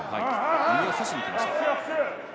右を差しにいきました。